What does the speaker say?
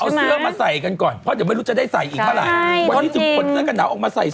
เอาเสื้อมาใส่กันก่อนเพราะจะไม่รู้จะได้ใส่อีกเท่าไร